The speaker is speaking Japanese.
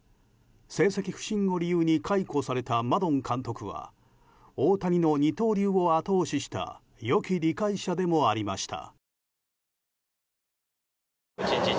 成績不振を理由に解雇されたマドン監督は大谷の二刀流を後押しした良き理解者でもありました。